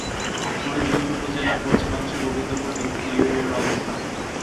ফরিদগঞ্জ উপজেলার পশ্চিমাংশে গোবিন্দপুর দক্ষিণ ইউনিয়নের অবস্থান।